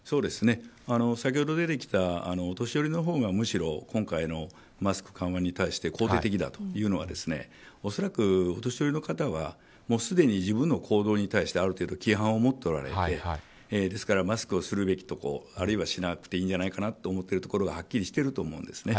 先ほど出てきたお年寄りのほうがむしろ今回のマスク緩和に対して肯定的だというのは恐らく、お年寄りの方はすでに自分の行動に対してある程度、規範を持っておられてですからマスクをするべきところあるいはしなくていいんじゃないかなと思っているところはっきりしてると思うんですね。